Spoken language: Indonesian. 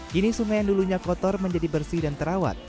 kini sungai yang dulunya kotor menjadi bersih dan terawat